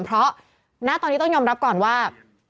เพราะณตอนนี้ต้องยอมรับก่อนว่า